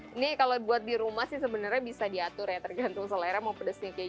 ini kalau buat di rumah sih sebenarnya bisa diatur ya tergantung selera mau pedesnya